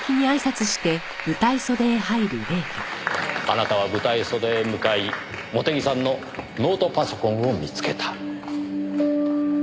あなたは舞台袖へ向かい茂手木さんのノートパソコンを見つけた。